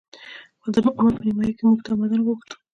خو د عمر په نیمايي کې موږ تمدن غوښت